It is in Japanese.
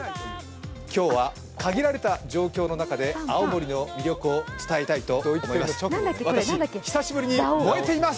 今日は限られた状況の中で青森の魅力を伝えたいと思います。